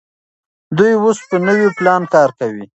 دوی اوس په نوي پلان کار کوي.